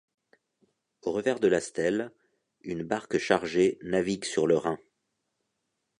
Au revers de la stèle, une barque chargée navigue sur le Rhin.